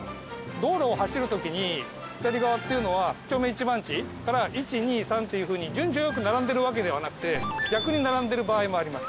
道路を走る時に左側っていうのは１丁目１番地から１２３っていうふうに順序よく並んでいるわけではなくて逆に並んでいる場合もあります。